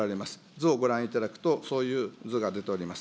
図をご覧いただくと、そういう図が出ております。